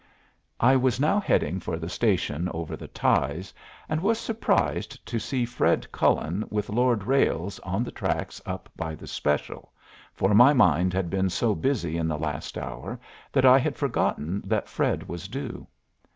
I was now heading for the station over the ties, and was surprised to see Fred Cullen with Lord Ralles on the tracks up by the special, for my mind had been so busy in the last hour that I had forgotten that Fred was due.